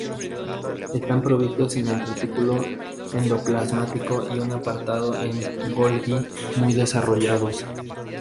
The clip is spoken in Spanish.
Están provistos de un retículo endoplasmático y un aparato de Golgi muy desarrollados.